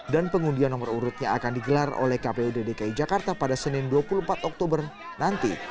dan pengundian nomor urutnya akan digelar oleh kpud dki jakarta pada senin dua puluh empat oktober nanti